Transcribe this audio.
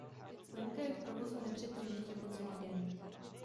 Linka je v provozu nepřetržitě po celý den.